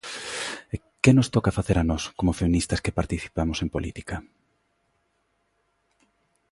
Que nos toca facer a nós como feministas que participamos en política?